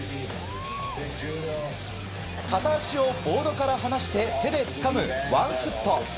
片足をボードから離して手でつかむワンフット。